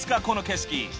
この景色